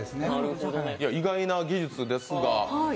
意外な技術ですが。